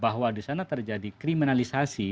bahwa disana terjadi kriminalisasi